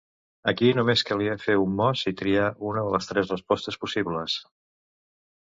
Aquí només calia fer un mos i triar una de les tres respostes possibles.